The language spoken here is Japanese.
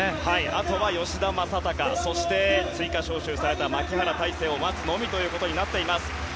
あとは吉田正尚そして追加招集された牧原大成を待つのみとなっています。